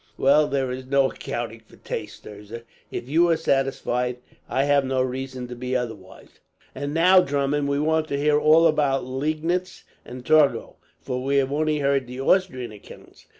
"Well, there is no accounting for taste, Thirza. If you are satisfied, I have no reason to be otherwise. "And now, Drummond, we want to hear all about Liegnitz and Torgau; for we have only heard the Austrian accounts.